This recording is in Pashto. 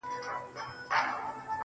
پرون مي ستا په ياد كي شپه رڼه كړه,